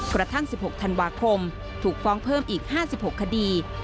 กระทั่ง๑๖ธันวาคมถูกฟ้องเพิ่มอีก๕๖คดี